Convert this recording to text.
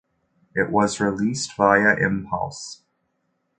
It was released via Impulse!